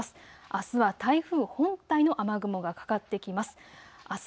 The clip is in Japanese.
あすは台風本体の雨雲がかかってきます。